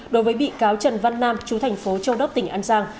đối với bị cáo trần văn nam chú thành phố châu đốc tỉnh an giang